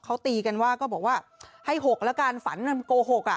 เขาตีกันว่าก็บอกว่าให้๖แล้วกันฝันโกหกอ่ะ